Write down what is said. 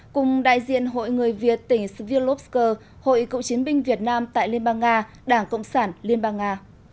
cùng đại diện hội người việt tỉnh svillovsk hội cựu chiến binh việt nam tại liên bang nga đảng cộng sản liên bang nga